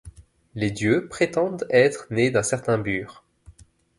Les dieux prétendent être nés d'un certain Bur.